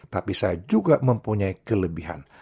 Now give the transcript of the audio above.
tapi saya juga mempunyai kelebihan